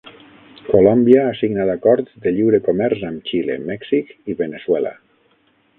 Colòmbia ha signat acords de lliure comerç amb Xile, Mèxic i Veneçuela.